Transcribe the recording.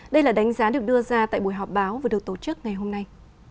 đây là đánh giá được đưa ra tại buổi họp báo vừa được tổ chức ngày hôm nay